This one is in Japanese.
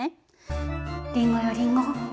リンゴよリンゴ。